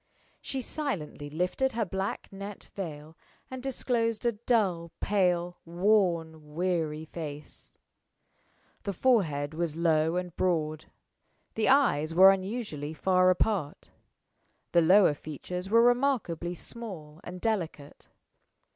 She silently lifted her black net veil and disclosed a dull, pale, worn, weary face. The forehead was low and broad; the eyes were unusually far apart; the lower features were remarkably small and delicate.